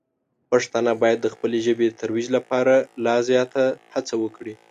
پښتانه باید د خپلې ژبې د ترویج لپاره لا زیاته هڅه وکړي.